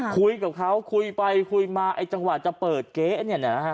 คุยกับเขาคุยไปคุยมาไอ้จังหวะจะเปิดเก๊เนี่ยนะฮะ